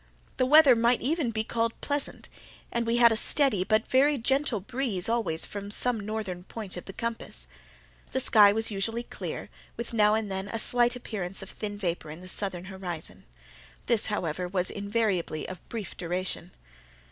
The weather might even be called pleasant, and we had a steady but very gentle breeze always from some northern point of the compass. The sky was usually clear, with now and then a slight appearance of thin vapour in the southern horizon—this, however, was invariably of brief duration.